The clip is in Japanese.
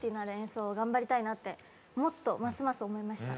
もっとますます思いました。